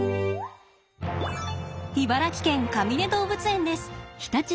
茨城県かみね動物園です。